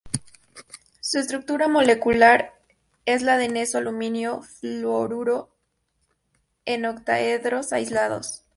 Su estructura molecular es la de neso-alumino-fluoruro en octaedros aislados.